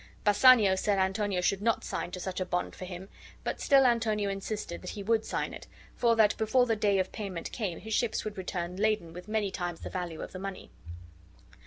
Bassanio said Antonio should not sign to such a bond for him; but still Antonio insisted that he would sign it, for that before the day of payment came his ships would return laden with many times the value of the money.